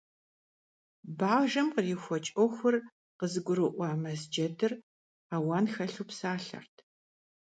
Бажэм кърихуэкӀ Ӏуэхур къызыгурыӀуа Мэз джэдыр ауэн хэлъу псалъэрт.